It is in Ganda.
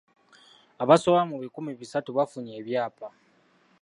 Abasoba mu bikumi bisatu bafunye ebyapa.